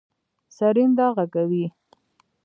سرېنده غږوي.